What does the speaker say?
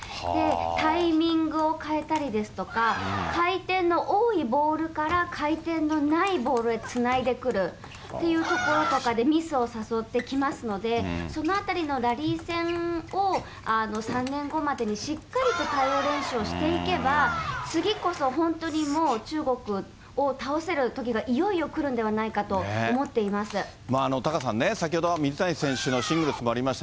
タイミングを変えたりですとか、回転の多いボールから、回転のないボールへつないでくるっていうところとかでミスを誘ってきますので、そのあたりのラリー戦を３年後までにしっかりと対応練習をしていけば、次こそ本当にもう中国を倒せるときがいよいよくるんではないかとタカさんね、先ほどは水谷選手のシングルスもありました。